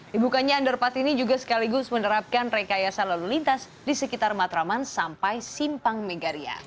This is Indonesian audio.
dibukanya underpass ini juga sekaligus menerapkan rekayasa lalu lintas di sekitar matraman sampai simpang megaria